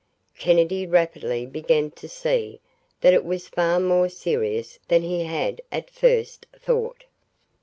Kennedy rapidly began to see that it was far more serious than he had at first thought.